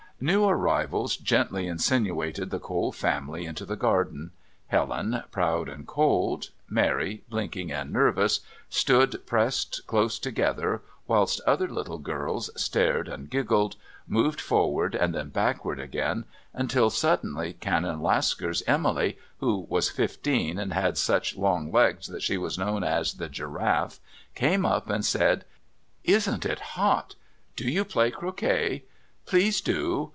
New arrivals gently insinuated the Cole family into the garden. Helen, proud and cold, Mary, blinking and nervous, stood pressed close together whilst other little girls stared and giggled, moved forward and then backward again, until suddenly Canon Lasker's Emily, who was fifteen and had such long legs that she was known as "the Giraffe," came up and said: "Isn't it hot! Do you play croquet? Please do!